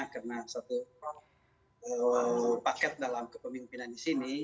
karena satu paket dalam kepemimpinan di sini